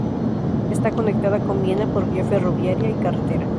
Está conectada con Viena por vía ferroviaria y carretera.